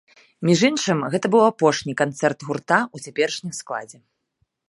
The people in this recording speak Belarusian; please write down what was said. Між іншым, гэта быў апошні канцэрт гурта ў цяперашнім складзе.